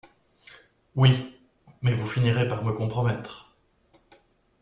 Oui ; mais vous finirez par me compromettre…